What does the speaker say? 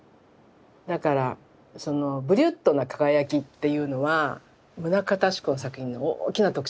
だからそのブリュットな輝きっていうのは棟方志功の作品の大きな特徴ですね。